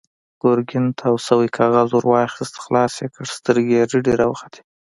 ګرګين تاو شوی کاغذ ور واخيست، خلاص يې کړ، سترګې يې رډې راوختې.